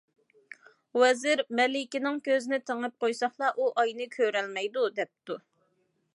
ۋەزىر« مەلىكىنىڭ كۆزىنى تېڭىپ قويساقلا ئۇ ئاينى كۆرەلمەيدۇ» دەپتۇ.